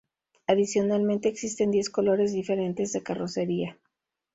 Adicionalmente existen diez colores diferentes de carrocería.